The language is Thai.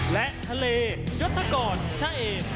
และทะเลยศกรชะเอก